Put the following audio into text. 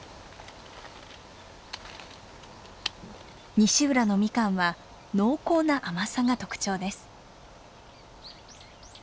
西浦のミカンは濃厚な甘さが特徴です。